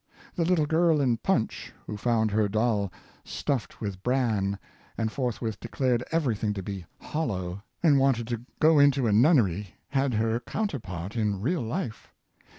The little girl in Punchy who found her doll stuffed with bran, and forth with declared everything to be hollow, and wanted to '' go into a nunnery," had her counterpart in real life.